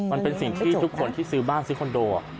มันเป็นสิ่งที่ทุกคนที่ซื้อบ้านซื้อคอนโด